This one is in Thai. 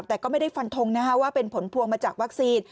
แต่ก็ไม่ได้ฟันทงว่าเป็นผลพวงมาจากวัคซีน